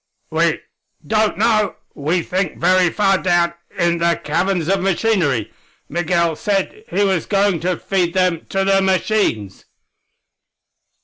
"We don't know. We think very far down in the caverns of machinery. Migul said he was going to feed them to the machines!"